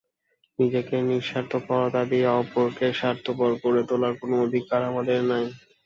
নিজেদের নিঃস্বার্থপরতা দিয়ে অপরকে স্বার্থপর করে তোলার কোন অধিকার আমাদের নেই।